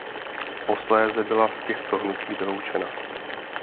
Posléze byla z těchto hnutí vyloučena.